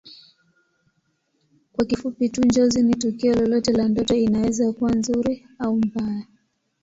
Kwa kifupi tu Njozi ni tukio lolote la ndoto inaweza kuwa nzuri au mbaya